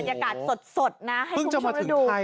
นี่แหละค่ะบรรยากาศสดนะให้คุณผู้ชมดู